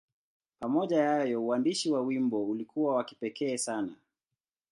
Pamoja na hayo, uandishi wa wimbo ulikuwa wa kipekee sana.